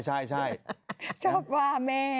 ชอบว่าแม่